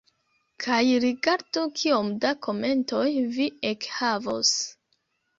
Kaj rigardu kiom da komentoj vi ekhavos.